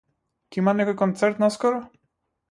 Ќе има некој концерт наскоро?